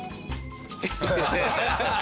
ハハハハ！